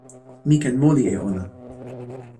mi ken moli e ona!